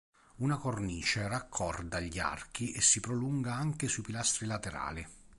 Una cornice raccorda gli archi e si prolunga anche sui pilastri laterali.